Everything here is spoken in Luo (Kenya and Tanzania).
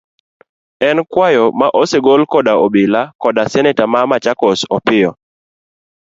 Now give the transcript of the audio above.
En kwayo ma osegol koda obila koda seneta ma Machakos Opiyo.